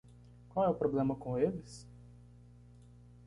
Qual é o problema com eles?